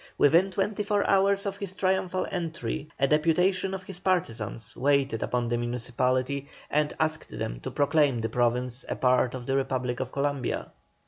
Within twenty four hours of his triumphal entry a deputation of his partisans waited upon the municipality and asked them to proclaim the Province a part of the Republic of Columbia.